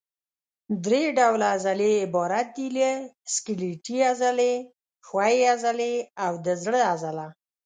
درې ډوله عضلې عبارت دي له سکلیټي عضلې، ښویې عضلې او د زړه عضله.